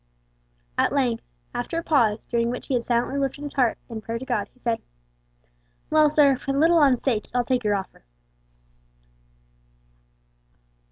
At length, after a pause, during which he had silently lifted his heart in prayer to God, he said: "Well, sir, for the little 'un's sake I'll take your offer.